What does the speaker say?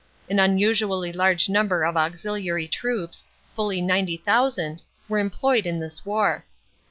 An unusually large number of auxiliary troops, fully 90,000, were employed in this war.